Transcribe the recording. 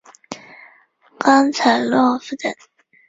冈察洛夫等。